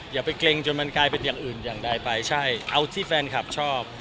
อย่าไปเกรงจนมันกลายเป็นอย่างอื่นอย่างใดไปใช่เอาที่แฟนคลับชอบ